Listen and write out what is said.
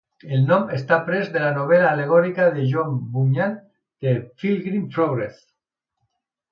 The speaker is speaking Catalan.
El nom està pres de la novel·la al·legòrica de John Bunyan "The Pilgrim's Progress".